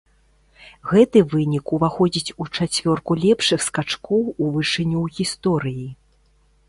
Гэты вынік уваходзіць у чацвёрку лепшых скачкоў у вышыню ў гісторыі.